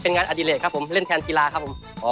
เป็นงานอดิเลกครับผมเล่นแทนกีฬาครับผม